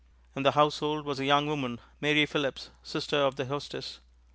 In the household was a young woman, Mary Philipse, sister of the hostess.